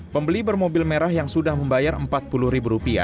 pembeli bermobil merah yang sudah membayar rp empat puluh